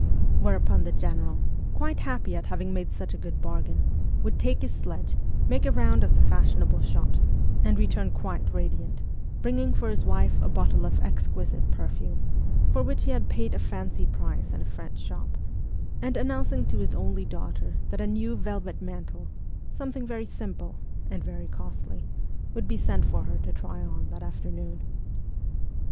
Whereupon the general, quite happy at having made such a good bargain, would take his sledge, make a round of the fashionable shops, and return quite radiant, bringing for his wife a bottle of exquisite perfume, for which he had paid a fancy price in a French shop, and announcing to his only daughter that a new velvet mantle ' something very simple ', and very costly would be sent for her to try on that afternoon.